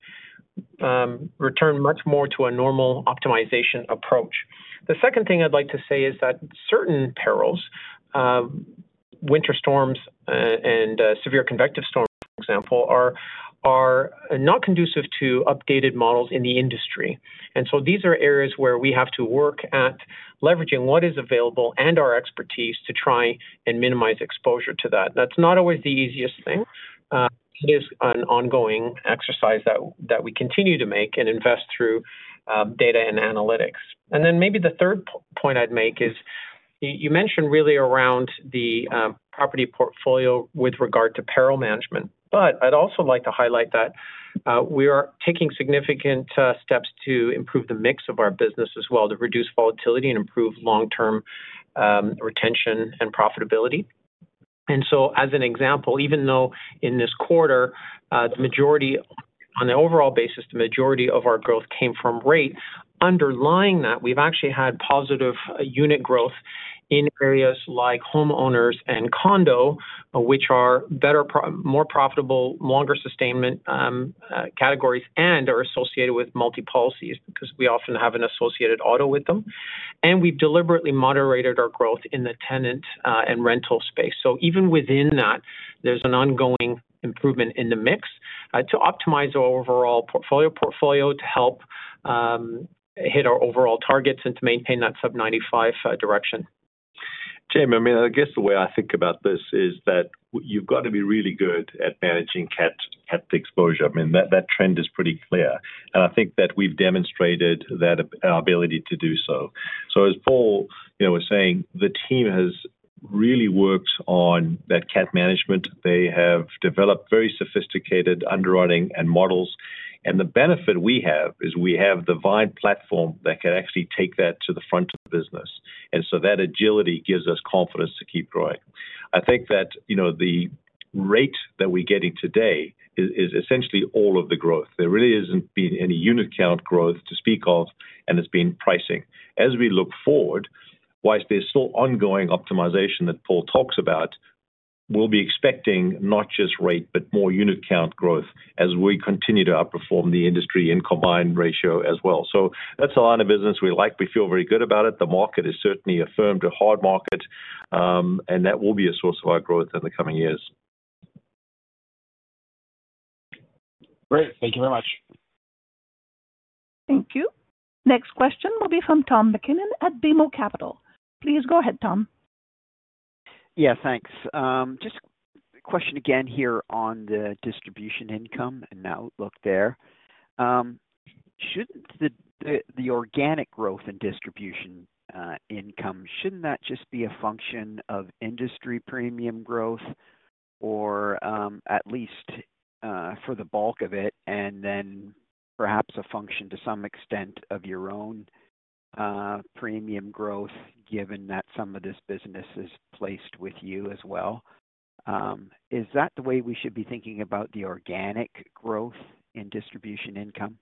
return much more to a normal optimization approach. The second thing I'd like to say is that certain perils, winter storms, and severe convective storms, for example, are not conducive to updated models in the industry. These are areas where we have to work at leveraging what is available and our expertise to try and minimize exposure to that. That's not always the easiest thing. It is an ongoing exercise that we continue to make and invest through data and analytics. Maybe the third point I'd make is you mentioned really around the property portfolio with regard to peril management. I'd also like to highlight that we are taking significant steps to improve the mix of our business as well to reduce volatility and improve long-term retention and profitability. As an example, even though in this quarter, the majority on the overall basis, the majority of our growth came from rate, underlying that, we've actually had positive unit growth in areas like homeowners and condo, which are better, more profitable, longer sustainment categories, and are associated with multi-policies because we often have an associated auto with them. We've deliberately moderated our growth in the tenant and rental space. Even within that, there's an ongoing improvement in the mix to optimize our overall portfolio to help hit our overall targets and to maintain that sub-95% direction. James, I mean, I guess the way I think about this is that you've got to be really good at managing cat exposure. That trend is pretty clear. I think that we've demonstrated our ability to do so. As Paul was saying, the team has really worked on that cat management. They have developed very sophisticated underwriting and models. The benefit we have is we have the Vine platform that can actually take that to the front of the business. That agility gives us confidence to keep growing. I think that the rate that we're getting today is essentially all of the growth. There really hasn't been any unit count growth to speak of, and it's been pricing. As we look forward, whilst there's still ongoing optimization that Paul talks about, we'll be expecting not just rate, but more unit count growth as we continue to outperform the industry in combined ratio as well. That's a line of business we like. We feel very good about it. The market is certainly a firm-to-hard market, and that will be a source of our growth in the coming years. Great, thank you very much. Thank you. Next question will be from Tom MacKinnon at BMO Capital. Please go ahead, Tom. Yeah, thanks. Just a question again here on the distribution income and outlook there. Shouldn't the organic growth in distribution income, shouldn't that just be a function of industry premium growth, or at least for the bulk of it, and then perhaps a function to some extent of your own premium growth, given that some of this business is placed with you as well? Is that the way we should be thinking about the organic growth in distribution income?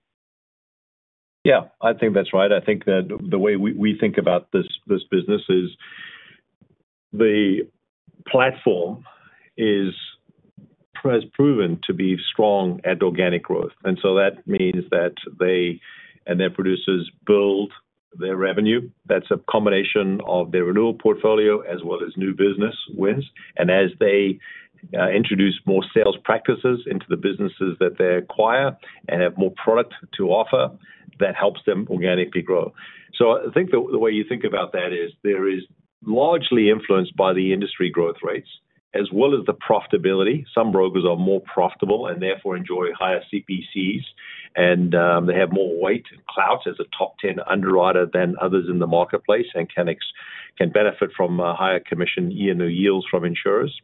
Yeah, I think that's right. I think that the way we think about this business is the platform has proven to be strong at organic growth. That means that they and their producers build their revenue. That's a combination of their renewal portfolio as well as new business wins. As they introduce more sales practices into the businesses that they acquire and have more product to offer, that helps them organically grow. I think the way you think about that is there is largely influenced by the industry growth rates as well as the profitability. Some brokers are more profitable and therefore enjoy higher CPCs, and they have more weight and clout as a top 10 underwriter than others in the marketplace, and can benefit from higher commission yields from insurers.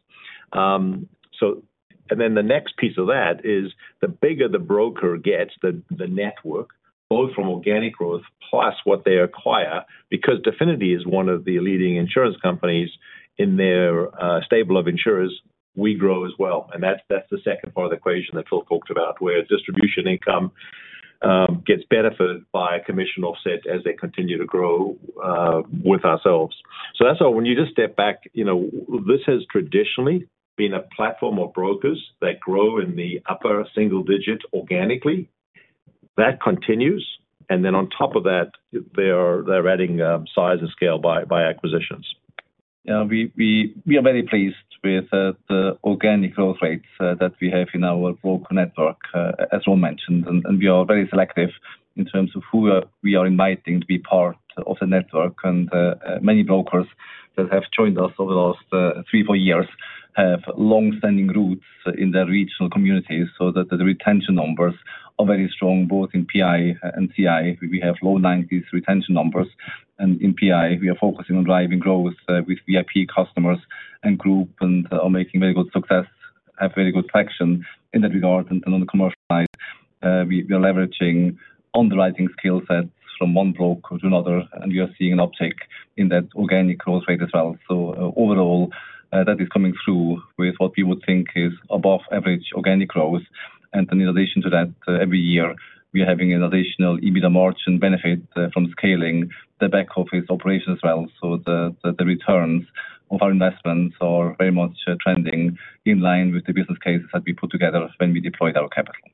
The next piece of that is the bigger the broker gets, the network, both from organic growth plus what they acquire, because Definity is one of the leading insurance companies in their stable of insurers. We grow as well. That's the second part of the equation that Phil talked about, where distribution income gets benefited by a commission offset as they continue to grow with ourselves. When you just step back, you know this has traditionally been a platform of brokers that grow in the upper single digit organically. That continues. On top of that, they're adding size and scale by acquisitions. Yeah, we are very pleased with the organic growth rates that we have in our broker network, as Rowan mentioned. We are very selective in terms of who we are inviting to be part of the network. Many brokers that have joined us over the last three or four years have longstanding roots in their regional communities, so the retention numbers are very strong, both in PI and CI. We have low 90% retention numbers. In PI, we are focusing on driving growth with VIP customers and group and are making very good success, have very good traction in that regard. On the commercial side, we are leveraging underwriting skill sets from one broker to another. We are seeing an uptick in that organic growth rate as well. Overall, that is coming through with what we would think is above-average organic growth. In addition to that, every year, we are having an additional EBITDA margin benefit from scaling the back office operations as well. The returns of our investments are very much trending in line with the business cases that we put together when we deployed our capital.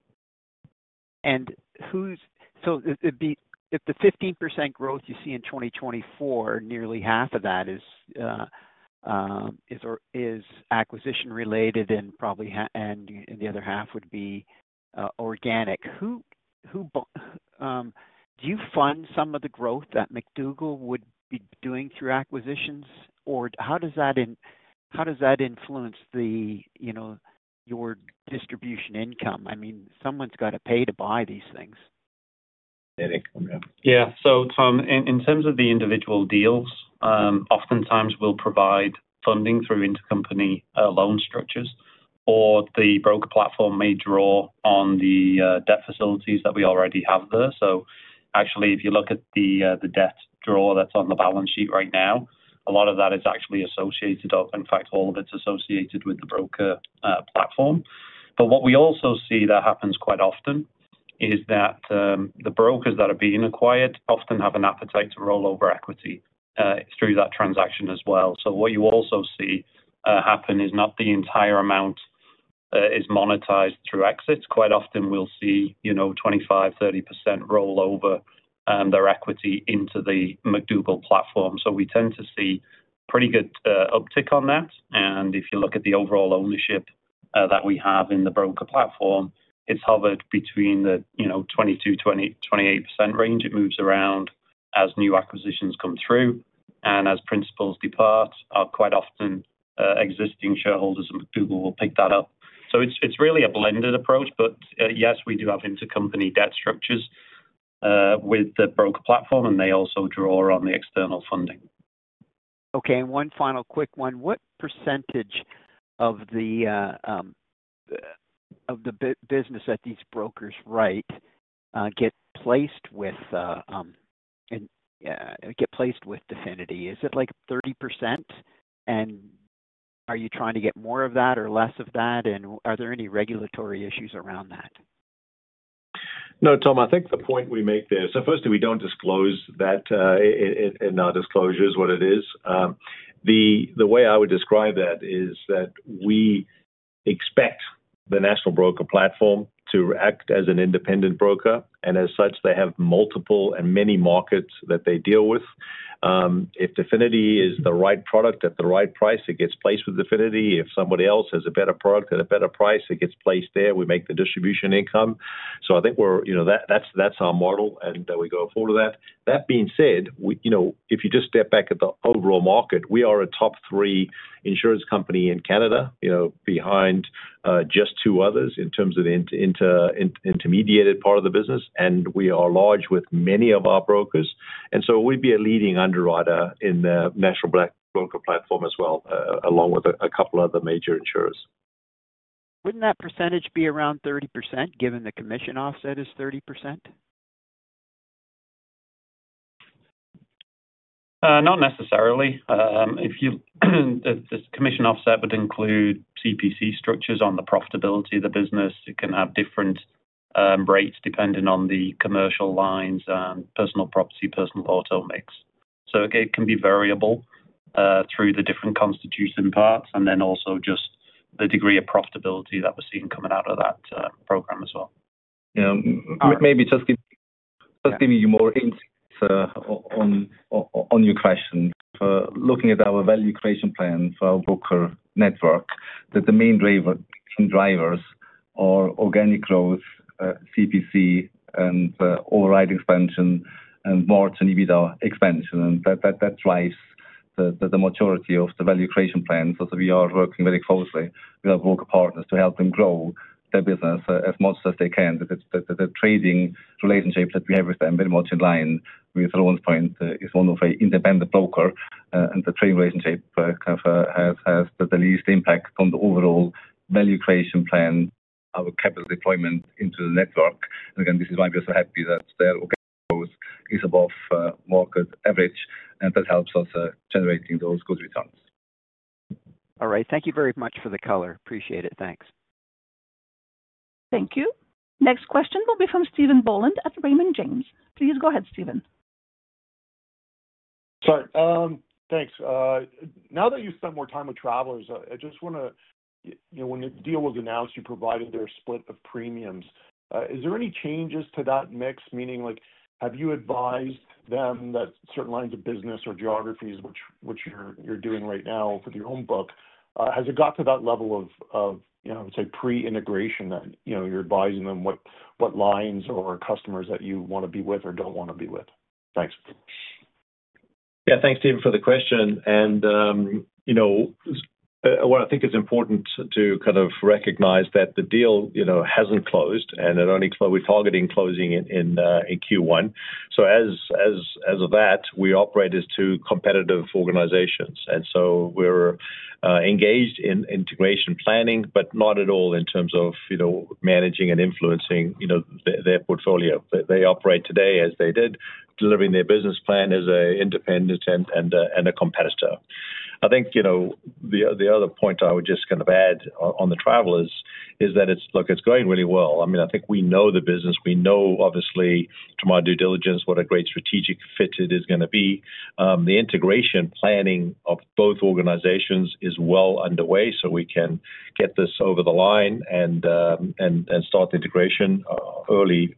If the 15% growth you see in 2024, nearly half of that is acquisition-related and probably the other half would be organic. Do you fund some of the growth that McDougall would be doing through acquisitions? How does that influence your distribution income? I mean, someone's got to pay to buy these things. Yeah, Tom, in terms of the individual deals, oftentimes we'll provide funding through intercompany loan structures, or the broker platform may draw on the debt facilities that we already have there. If you look at the debt draw that's on the balance sheet right now, a lot of that is actually associated, in fact, all of it's associated with the broker platform. What we also see that happens quite often is that the brokers that are being acquired often have an appetite to roll over equity through that transaction as well. What you also see happen is not the entire amount is monetized through exits. Quite often, we'll see 25-30% roll over their equity into the McDougall platform. We tend to see a pretty good uptick on that. If you look at the overall ownership that we have in the broker platform, it's hovered between the 22-28% range. It moves around as new acquisitions come through. As principals depart, quite often existing shareholders at McDougall will pick that up. It's really a blended approach. Yes, we do have intercompany debt structures with the broker platform, and they also draw on the external funding. Okay, and one final quick one. What percentage of the business that these brokers write get placed with Definity? Is it like 30%? Are you trying to get more of that or less of that? Are there any regulatory issues around that? No, Tom, I think the point we make there, firstly, we don't disclose that in our disclosures what it is. The way I would describe that is that we expect the national broker platform to act as an independent broker. As such, they have multiple and many markets that they deal with. If Definity is the right product at the right price, it gets placed with Definity. If somebody else has a better product at a better price, it gets placed there. We make the distribution income. I think that's our model, and we go forward with that. That being said, if you just step back at the overall market, we are a top three insurance company in Canada, behind just two others in terms of the intermediated part of the business. We are large with many of our brokers, and we'd be a leading underwriter in the national broker platform as well, along with a couple of other major insurers. Wouldn't that percentage be around 30%, given the commission offset is 30%? Not necessarily. If this commission offset would include CPC structures on the profitability of the business, it can have different rates depending on the commercial lines and personal property, personal auto mix. It can be variable through the different constitution parts, and also just the degree of profitability that we're seeing coming out of that program as well. Yeah, maybe just giving you more insights on your question. For looking at our value creation plan for our broker network, the main drivers are organic growth, CPC, override expansion, and margin EBITDA expansion. That drives the maturity of the value creation plan. We are working very closely with our broker partners to help them grow their business as much as they can. The trading relationship that we have with them is very much in line with Rowan's point. He's one of our independent brokers, and the trading relationship kind of has the least impact on the overall value creation plan, our capital deployment into the network. This is why we are so happy that their organic growth is above market average. That helps us generate those good returns. All right. Thank you very much for the color. Appreciate it. Thanks. Thank you. Next question will be from Stephen Boland at Raymond James. Please go ahead, Stephen. Thanks. Now that you spent more time with Travelers, I just want to, you know, when the deal was announced, you provided their split of premiums. Is there any changes to that mix? Meaning, like, have you advised them that certain lines of business or geographies, which you're doing right now for your home book, has it got to that level of, you know, I would say pre-integration that, you know, you're advising them what lines or customers that you want to be with or don't want to be with? Thanks. Yeah, thanks, Stephen, for the question. What I think is important to kind of recognize is that the deal hasn't closed, and we're targeting closing it in Q1. As of that, we operate as two competitive organizations. We're engaged in integration planning, but not at all in terms of managing and influencing their portfolio. They operate today as they did, delivering their business plan as an independent and a competitor. I think the other point I would just kind of add on the Travelers is that it's going really well. I mean, I think we know the business. We know, obviously, through my due diligence, what a great strategic fit it is going to be. The integration planning of both organizations is well underway, so we can get this over the line and start the integration early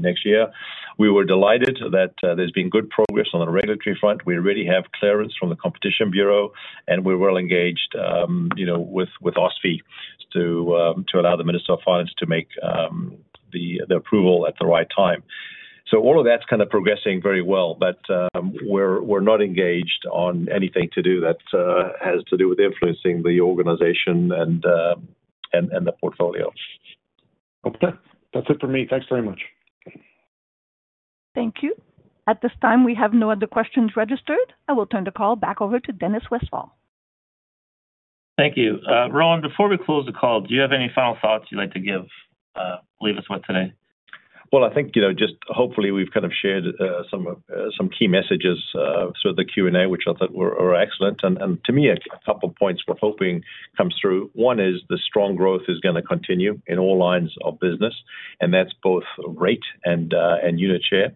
next year. We were delighted that there's been good progress on the regulatory front. We already have clearance from the Competition Bureau, and we're well engaged with OSFI to allow the Minister of Finance to make the approval at the right time. All of that's kind of progressing very well, but we're not engaged on anything to do that has to do with influencing the organization and the portfolio. Okay, that's it for me. Thanks very much. Thank you. At this time, we have no other questions registered. I will turn the call back over to Dennis Westfall. Thank you. Rowan, before we close the call, do you have any final thoughts you'd like to give or leave us with today? I think, you know, just hopefully we've kind of shared some key messages through the Q&A, which I thought were excellent. To me, a couple of points we're hoping come through. One is the strong growth is going to continue in all lines of business, and that's both rate and unit share.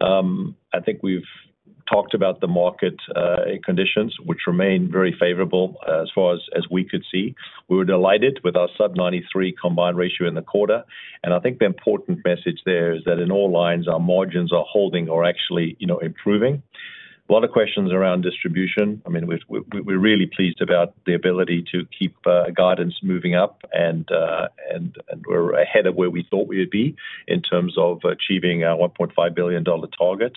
I think we've talked about the market conditions, which remain very favorable as far as we could see. We were delighted with our sub-93% combined ratio in the quarter. I think the important message there is that in all lines, our margins are holding or actually, you know, improving. A lot of questions around distribution. I mean, we're really pleased about the ability to keep guidance moving up, and we're ahead of where we thought we would be in terms of achieving our $1.5 billion target.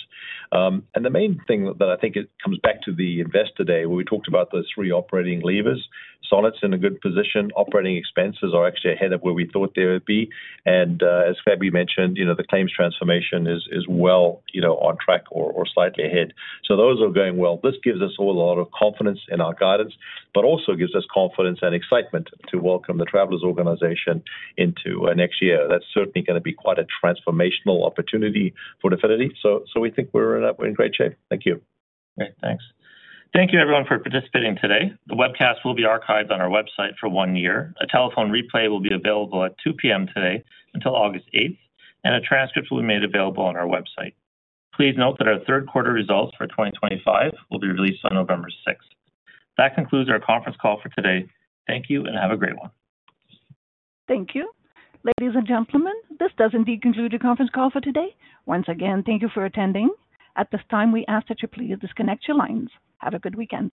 The main thing that I think comes back to the investor day, we talked about the three operating levers. Sonnet's in a good position. Operating expenses are actually ahead of where we thought they would be. As Fabian mentioned, you know, the claims transformation is well, you know, on track or slightly ahead. Those are going well. This gives us all a lot of confidence in our guidance, but also gives us confidence and excitement to welcome the Travelers organization into next year. That's certainly going to be quite a transformational opportunity for Definity. We think we're in great shape. Thank you. Great, thanks. Thank you, everyone, for participating today. The webcast will be archived on our website for one year. A telephone replay will be available at 2:00 P.M. today until August 8, and a transcript will be made available on our website. Please note that our third-quarter results for 2025 will be released on November 6. That concludes our conference call for today. Thank you, and have a great one. Thank you. Ladies and gentlemen, this does indeed conclude the conference call for today. Once again, thank you for attending. At this time, we ask that you please disconnect your lines. Have a good weekend.